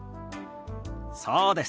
そうです。